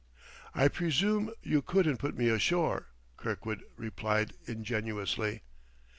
"I presume you couldn't put me ashore?" Kirkwood replied ingenuously.